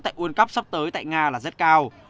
tại world cup sắp tới tại nga là rất cao